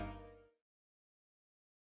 memang sudah lepas